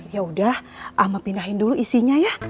yaudah ama pindahin dulu isinya ya